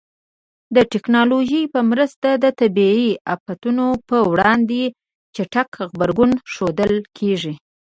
د ټکنالوژۍ په مرسته د طبیعي آفاتونو پر وړاندې چټک غبرګون ښودل کېږي.